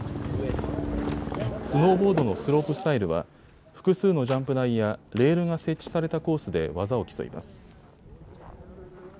スノーボードのスロープスタイルは複数のジャンプ台やレールが設置されたコースで技を競います。